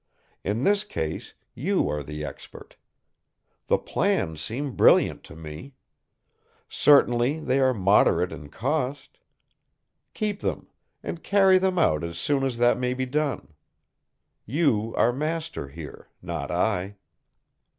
In this case, you are the expert. The plans seem brilliant to me. Certainly they are moderate in cost. Keep them, and carry them out as soon as that may be done. You are master here, not I."